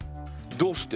どうして？